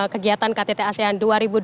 kegiatan ktt asean dua ribu dua puluh